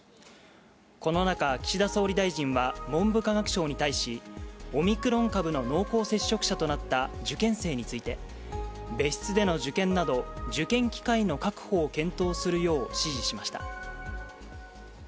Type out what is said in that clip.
この中、岸田総理大臣は文部科学省に対しオミクロン株の濃厚接触者となった受験生について受験機会の確保を検討するよう指示しました。